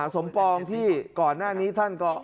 การเงินมันมีฝ่ายฮะ